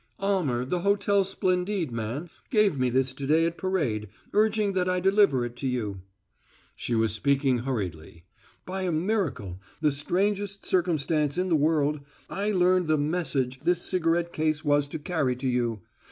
"Almer, the Hotel Splendide man, gave me this to day at parade, urging that I deliver it to you." She was speaking hurriedly. "By a miracle the strangest circumstance in the world I learned the message this cigarette case was to carry to you.